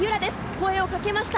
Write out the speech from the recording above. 声をかけました。